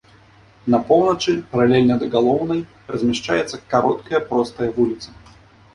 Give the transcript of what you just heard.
На поўначы, паралельна да галоўнай размяшчаецца кароткая простая вуліца.